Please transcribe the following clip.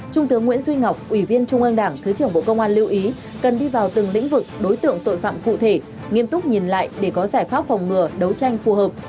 trung tướng nguyễn duy ngọc ủy viên trung ương đảng thứ trưởng bộ công an lưu ý cần đi vào từng lĩnh vực đối tượng tội phạm cụ thể nghiêm túc nhìn lại để có giải pháp phòng ngừa đấu tranh phù hợp